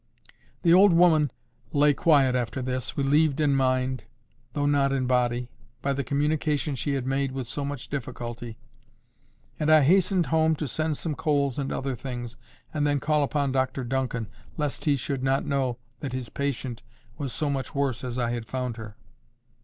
The old woman lay quiet after this, relieved in mind, though not in body, by the communication she had made with so much difficulty, and I hastened home to send some coals and other things, and then call upon Dr Duncan, lest he should not know that his patient was so much worse as I had found her.